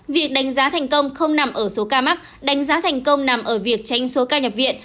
việc đánh giá thành công không nằm ở số ca mắc đánh giá thành công nằm ở việc tranh số ca nhập viện